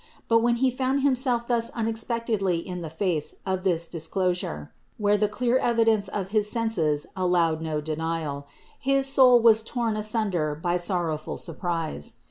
But when he found him self thus unexpectedly in the face of this disclosure, where the clear evidence of his senses allowed no denial, his soul was torn asunder by sorrowful surprise.